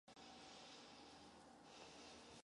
Ve všech těchto oblastech musíme vědět, jak postupovat.